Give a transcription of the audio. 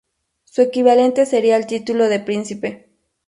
Su equivalente sería el título de príncipe.